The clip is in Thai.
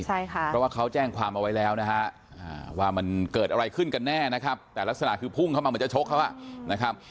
เพราะว่าเขาแจ้งความเอาไว้แล้วนะฮะว่ามันเกิดอะไรขึ้นกันแน่นะครับแต่ลักษณะคือพุ่งเข้ามาเหมือนจะชกเขานะครับ